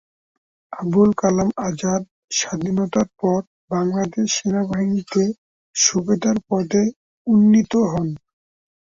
আবুল কালাম আজাদ স্বাধীনতার পর বাংলাদেশ সেনাবাহিনীতে সুবেদার পদে উন্নীত হন।